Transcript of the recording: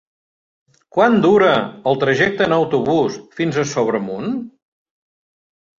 Quant dura el trajecte en autobús fins a Sobremunt?